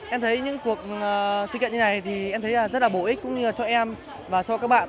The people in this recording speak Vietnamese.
em thấy những cuộc sự kiện như này rất là bổ ích cũng như cho em và cho các bạn